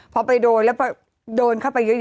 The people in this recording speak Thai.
พอไปโดนแล้วโดนเข้าไปเยอะ